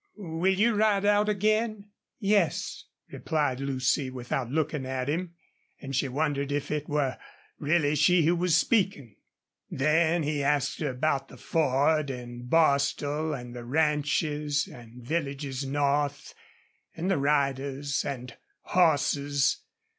Will you ride out again?" "Yes," replied Lucy, without looking at him; and she wondered if it were really she who was speaking. Then he asked her about the Ford, and Bostil, and the ranches and villages north, and the riders and horses.